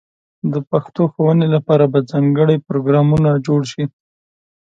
د پښتو ښوونې لپاره به ځانګړې پروګرامونه جوړ شي.